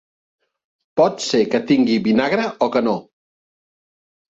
Pot ser que tingui vinagre o que no.